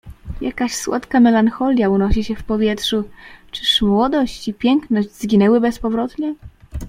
"Jakaś słodka melancholia unosi się w powietrzu; czyż młodość i piękność zginęły bezpowrotnie?"